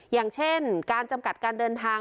อย่างเช่นการจำกัดการเดินทาง